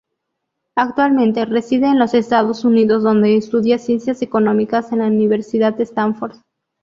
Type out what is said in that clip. Actualmente reside en los Estados Unidos donde estudia Ciencias Económicas en la Universidad Stanford.